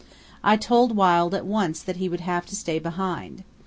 I told Wild at once that he would have to stay behind.